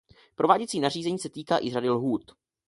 Prováděcí nařízení se týká i řady lhůt.